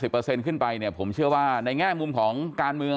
ขึ้นไปเนี่ยผมเชื่อว่าในแง่มุมของการเมือง